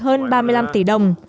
hơn ba mươi năm tỷ đồng